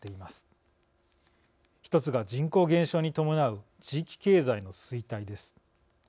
１つが人口減少に伴う地域経済の衰退です。